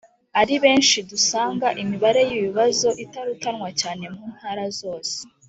ari benshi Dusanga imibare y ibi bibazo itarutanwa cyane mu Ntara zose